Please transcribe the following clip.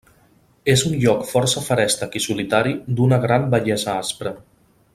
És un lloc força feréstec i solitari d'una gran bellesa aspra.